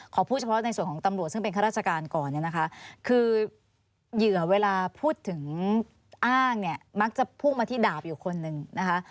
พูดเฉพาะในส่วนของตำรวจซึ่งเป็นข้าราชการก่อนเนี่ยนะคะคือเหยื่อเวลาพูดถึงอ้างเนี่ยมักจะพุ่งมาที่ดาบอยู่คนนึงนะคะ